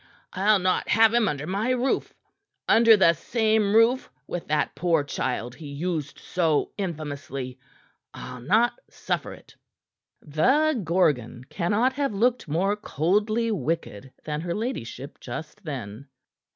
"I'll not have him under my roof under the same roof with that poor child he used so infamously. I'll not suffer it!" The Gorgon cannot have looked more coldly wicked than her ladyship just then.